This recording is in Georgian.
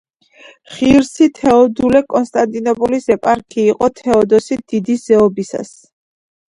ღირსი თეოდულე კონსტანტინოპოლის ეპარქი იყო თეოდოსი დიდის ზეობისას.